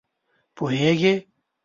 پوهېږې!